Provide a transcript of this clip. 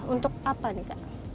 untuk apa nih kak